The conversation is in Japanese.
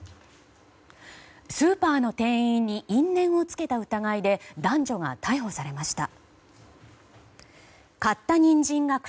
スーパーの店員に因縁をつけた疑いで男女が逮捕されました。